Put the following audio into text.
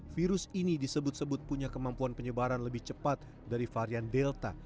virus ini disebut sebut punya kemampuan penyebaran lebih cepat dari varian delta